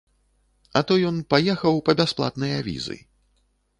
А то ён паехаў па бясплатныя візы.